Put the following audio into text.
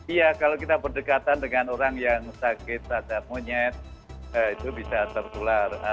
iya kalau kita berdekatan dengan orang yang sakit cacar monyet itu bisa tertular